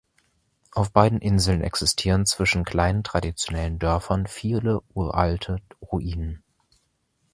Auf beiden Inseln existieren zwischen kleinen traditionellen Dörfern viele uralte Ruinen.